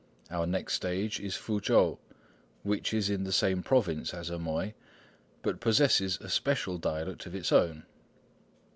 Our next stage is Foochow, which is in the same province as Amoy, but possesses a special dialect of its own.